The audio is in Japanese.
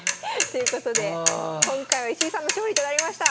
ということで今回は石井さんの勝利となりました。